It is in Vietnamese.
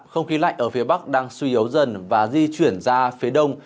không khí lạnh ở phía bắc đang suy yếu dần và di chuyển ra phía đông